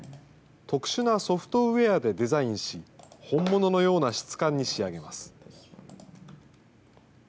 特殊なソフトウエアでデザインし、本物のような質感に仕上げます。